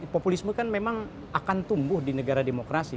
populisme kan memang akan tumbuh di negara demokrasi